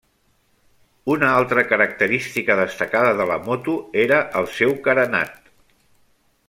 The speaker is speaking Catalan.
Una altra característica destacada de la moto era el seu carenat.